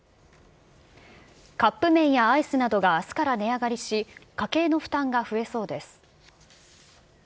カップ麺やアイスなどがあすから値上がりし、家計の負担が増えそうです。